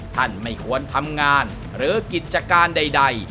ไม่ควรทำงานหรือกิจการใด